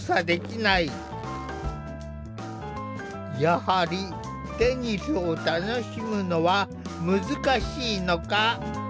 やはりテニスを楽しむのは難しいのか？